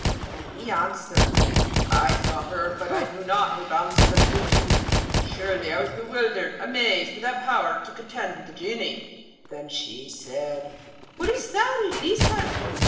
And he answered, 'I saw her; but I knew not, O damsel of beauty; surely I was bewildered, amazed, without power to contend with the Genie.' Then she said, 'Wouldst thou release her?